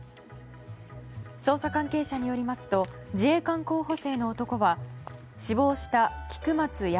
捜査関係者によりますと自衛官候補生の男は死亡した菊松安